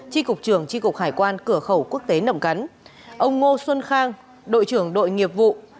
tri cục trưởng tri cục hải quan cửa khẩu quốc tế nậm cắn ông ngô xuân khang đội trưởng đội nghiệp vụ